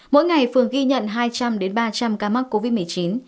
mỗi ngày phường ghi nhận hai trăm linh ba trăm linh ca mắc covid một mươi chín